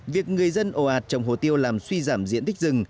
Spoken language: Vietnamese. việc người dân ồ ạt trồng hồ tiêu làm suy giảm diện tích rừng